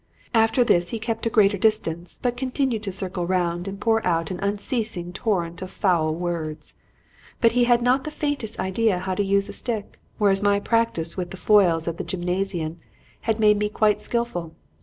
"After this he kept a greater distance, but continued to circle round and pour out an unceasing torrent of foul words. But he had not the faintest idea how to use a stick, whereas my practice with the foils at the gymnasium had made me quite skilful.